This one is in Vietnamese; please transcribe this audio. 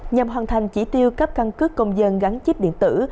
nhằm hoàn thành chỉ tiêu cấp căn cước công dân gắn chip điện tử